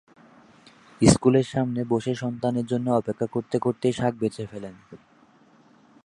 স্কুলের সামনে বসে সন্তানের জন্য অপেক্ষা করতে করতেই শাক বেছে ফেলেন।